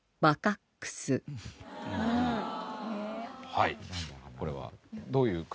はいこれは。